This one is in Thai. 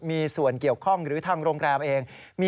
มีส่วนเกี่ยวข้องหรือทางโรงแรมเอง